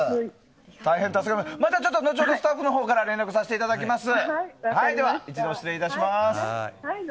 また後ほどスタッフのほうから連絡させていただきます。